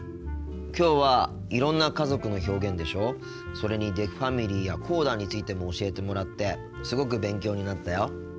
きょうはいろんな家族の表現でしょそれにデフファミリーやコーダについても教えてもらってすごく勉強になったよ。